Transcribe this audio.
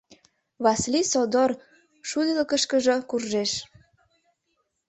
Васлий содор шудылыкышкыжо куржеш.